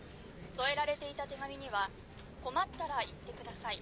添えられていた手紙には「困ったら言ってください。